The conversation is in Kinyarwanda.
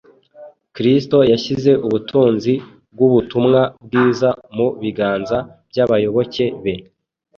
Kristo yashyize ubutunzi bw’ubutumwa bwiza mu biganza by’abayoboke be